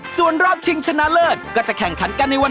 ส่วนรอบชิงชนะเลิศก็จะแข่งขันกันในวัน